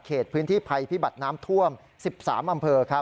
พื้นที่ภัยพิบัติน้ำท่วม๑๓อำเภอ